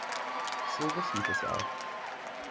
So geschieht es auch.